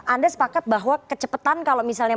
anda sepakat bahwa kecepatan kalau misalnya